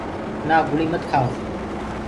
نآ گُݪيٚ مت کهآوو۔